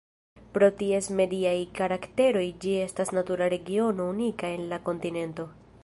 Pro ties mediaj karakteroj ĝi estas natura regiono unika en la kontinento.